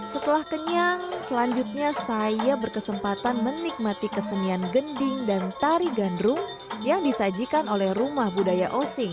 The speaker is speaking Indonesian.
setelah kenyang selanjutnya saya berkesempatan menikmati kesenian gending dan tari gandrung yang disajikan oleh rumah budaya osing